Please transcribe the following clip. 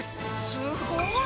すごい！